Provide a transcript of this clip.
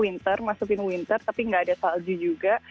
winter masukin winter tapi nggak ada salju juga